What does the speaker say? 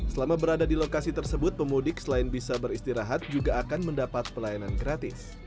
selama berada di lokasi tersebut pemudik selain bisa beristirahat juga akan mendapat pelayanan gratis